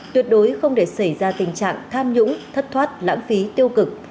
tuyệt đối không để xảy ra tình trạng tham nhũng thất thoát lãng phí tiêu cực